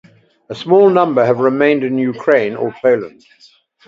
A small number have remained in Ukraine or Poland.